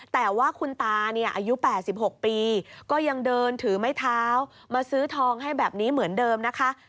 แต่ว่าคุณตาเนี่ยอายุ๘๖ปีก็ยังเดินถือไม้เท้ามาซื้อทองให้แบบนี้เหมือนเดิมนะคะ